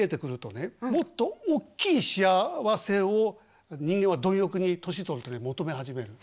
もっとおっきい幸せを人間は貪欲に年取るとね求め始めるの。